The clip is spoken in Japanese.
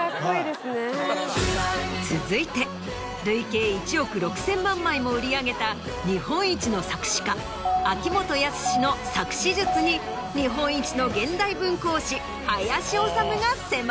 続いて累計１億６０００万枚も売り上げた日本一の作詞家秋元康の作詞術に日本一の現代文講師林修が迫る。